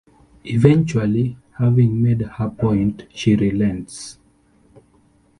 Eventually, having made her point, she relents.